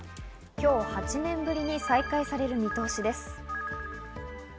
今日、８年ぶりに再開される見通しです。